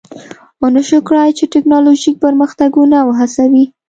ونشوای کړای چې ټکنالوژیک پرمختګونه وهڅوي